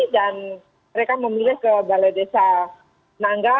dan mereka memilih ke balai desa nangga